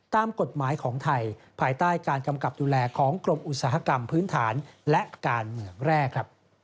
ตามกฎหมายของไทยภายใต้การกำกับดูแลของกรมอุตสาหกรรมพื้นฐานและการเมืองแรก